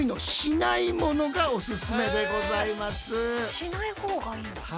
しない方がいいんだ。